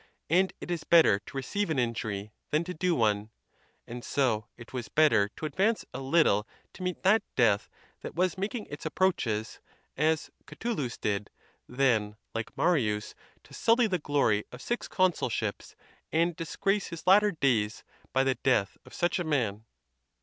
And it is better to receive an injury than to do one; and so it was better to advance a little to meet that death that was making its approaches, as Catulus did, than, like Marius, to sully the lory of six consulships, and disgrace his latter days, by the death of such a man.